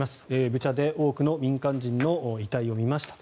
ブチャで多くの民間人の遺体を見ました。